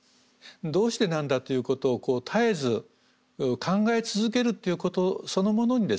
どうしてなんだということを絶えず考え続けるっていうことそのものにですね